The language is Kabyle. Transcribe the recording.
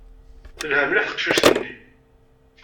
Telha mliḥ teqcict-nni.